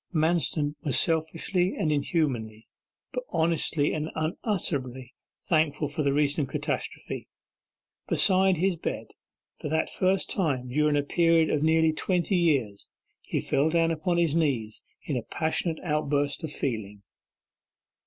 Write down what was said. Manston was selfishly and inhumanly, but honestly and unutterably, thankful for the recent catastrophe. Beside his bed, for that first time during a period of nearly twenty years, he fell down upon his knees in a passionate outburst of feeling.